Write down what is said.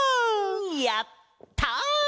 やった！